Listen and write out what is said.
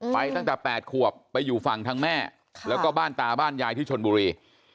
ไปตั้งแต่๘ขวบไปอยู่ฝั่งทางแม่แล้วก็บ้านตาบ้านยายที่ชนบุรี